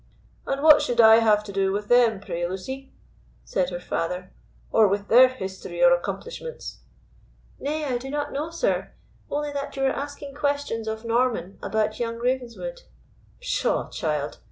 "And what should I have to do with them, pray, Lucy," said her father, "or with their history or accomplishments?" "Nay, I do not know, sir; only that you were asking questions of Norman about young Ravenswood." "Pshaw, child!"